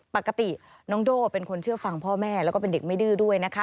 ปกติน้องโด่เป็นคนเชื่อฟังพ่อแม่แล้วก็เป็นเด็กไม่ดื้อด้วยนะคะ